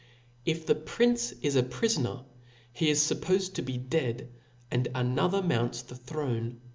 If the prince is a prifoner, he is fuppofed tobc dead, and another mounts the throne.